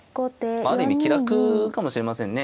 ある意味気楽かもしれませんね。